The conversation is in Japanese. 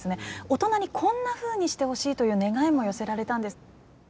大人にこんなふうにしてほしいという願いも寄せられたんです。